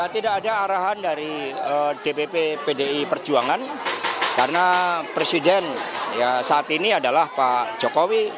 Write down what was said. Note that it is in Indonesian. tidak ada arahan dari dpp pdi perjuangan karena presiden saat ini adalah pak jokowi